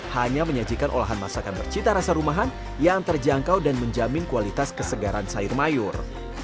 hanya menyajikan olahan masakan bercita rasa rumahan yang terjangkau dan menjamin kualitas kesegaran sayur mayur